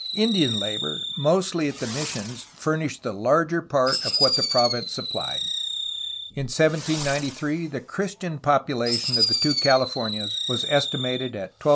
Indian labor, mostly at the missions, furnished the larger part of what the province supplied. In 1793 the Christian population of the two Californias was estimated at 12,666.